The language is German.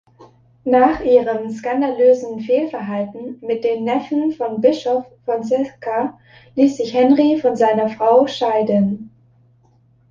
Nach ihrem skandalösen Fehlverhalten mit dem Neffen von Bischof Fonseca ließ sich Henry von seiner Frau scheiden.